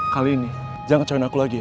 kali ini jangan kecoyin aku lagi ya